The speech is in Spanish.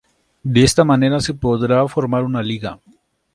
De esta manera se podrá formar una liga.